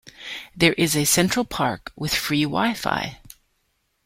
There is a central park with free wi-fi.